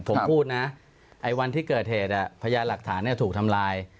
ผมพูดนะไอ้วันที่เกิดเหตุพยานหลักฐานถูกทำลาย